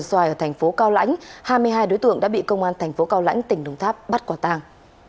trong vườn xoài ở thành phố cao lãnh hai mươi hai đối tượng đã bị công an thành phố cao lãnh tỉnh đồng tháp bắt quả tăng